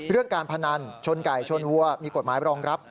การพนันชนไก่ชนวัวมีกฎหมายรองรับ